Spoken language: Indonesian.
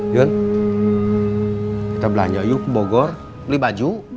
yan kita belanja yuk ke bogor pilih baju